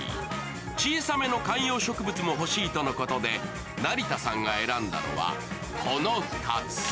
小さめの観葉植物も欲しいとのことで、成田さんが選んだのは、この２つ。